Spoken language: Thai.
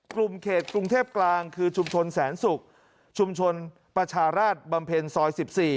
กลุ่มเขตกรุงเทพกลางคือชุมชนแสนศุกร์ชุมชนประชาราชบำเพ็ญซอย๑๔